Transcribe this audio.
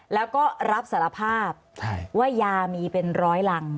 แล้วก็รับสารภาพว่ายามีเป็นร้อยรัง